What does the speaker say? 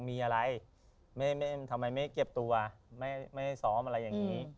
มีอะไรทำไมไม่เก็บตัวไม่ซ้อมอะไรอย่างนี้